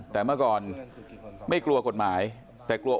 แต่เมื่อก่อนไม่กลัวกฎหมายแต่กลัว